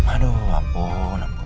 aduh ampun ampun